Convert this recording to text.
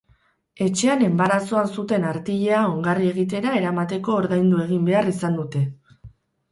Etxean enbarazoan zuten artilea ongarri egitera eramateko ordaindu egin behar izan dute.